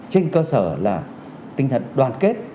trên cơ sở là tinh thần đoàn kết